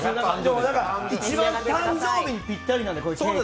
一番誕生日にピッタリなんで。